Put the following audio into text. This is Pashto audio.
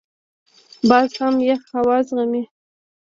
باز هم یخ هوا زغمي